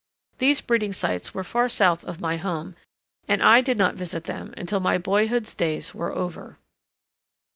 These breeding sites were far south of my home, and I did not visit them until my boyhood's days were over.